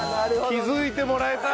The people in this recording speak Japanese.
気づいてもらえた。